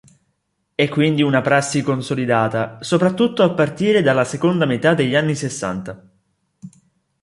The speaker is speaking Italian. È quindi una prassi consolidata, soprattutto a partire dalla seconda metà degli anni sessanta.